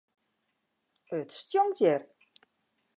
It stjonkt hjir.